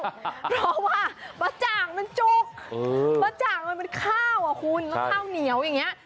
เพราะว่าบะจ่างมันจุกบะจ่างมันเป็นข้าวอ่ะคุณแล้วข้าวเหนียวอย่างนี้